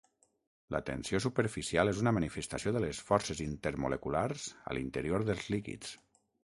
La tensió superficial és una manifestació de les forces intermoleculars a l'interior dels líquids.